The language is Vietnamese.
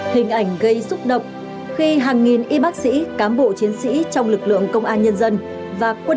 hình ảnh gây xúc động khi hàng nghìn y bác sĩ cán bộ chiến sĩ trong lực lượng công an nhân dân và quân